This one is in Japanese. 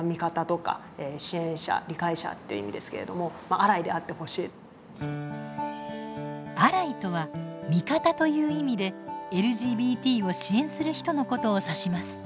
小川さんたちに寄せられた声には「アライ」とは「味方」という意味でＬＧＢＴを支援する人のことを指します。